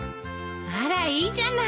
あらいいじゃないの！